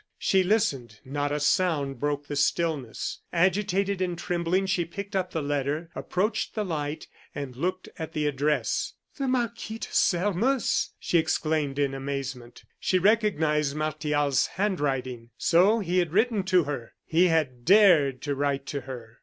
She listened; not a sound broke the stillness. Agitated and trembling she picked up the letter, approached the light, and looked at the address. "The Marquis de Sairmeuse!" she exclaimed, in amazement. She recognized Martial's handwriting. So he had written to her! He had dared to write to her!